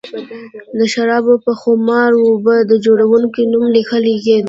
د شرابو پر خُمر و به د جوړوونکي نوم لیکل کېده